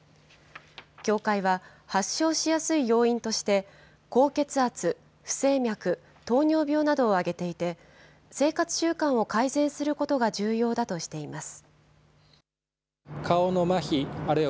協会は、発症しやすい要因として、高血圧、不整脈、糖尿病などを挙げていて、生活習慣を改善することが重要だとしています。